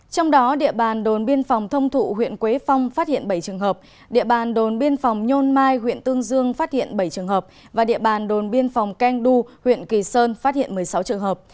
trong đó địa bàn đồn biên phòng thông thụ huyện quế phong phát hiện bảy trường hợp địa bàn đồn biên phòng nhôn mai huyện tương dương phát hiện bảy trường hợp và địa bàn đồn biên phòng keng du huyện kỳ sơn phát hiện một mươi sáu trường hợp